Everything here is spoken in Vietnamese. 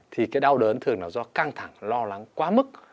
thì cái đau đớn thường là do căng thẳng lo lắng quá mức